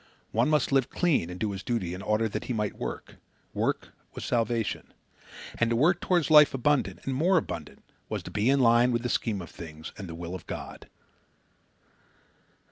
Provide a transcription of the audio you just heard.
One must live clean and do his duty in order that he might work. Work was salvation. And to work toward life abundant, and more abundant, was to be in line with the scheme of things and the will of God.